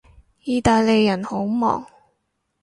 意大利人好忙